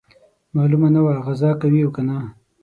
معلومه نه وه غزا کوي او کنه.